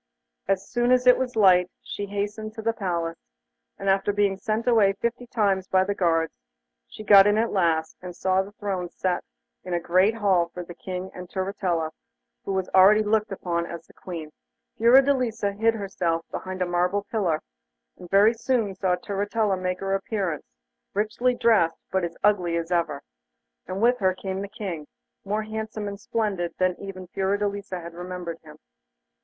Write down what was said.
As soon as it was light she hastened to the palace, and after being sent away fifty times by the guards, she got in at last, and saw the thrones set in the great hall for the King and Turritella, who was already looked upon as Queen. Fiordelisa hid herself behind a marble pillar, and very soon saw Turritella make her appearance, richly dressed, but as ugly as ever, and with her came the King, more handsome and splendid even than Fiordelisa had remembered him.